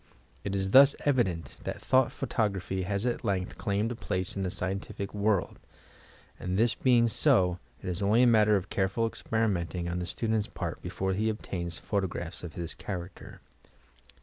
It is thus evident that Thought Photography has at length claimed a place in the scien tific world, and, this being so, it is only a matter of care ful experimenting on the student's part before he obtains photographs of this character.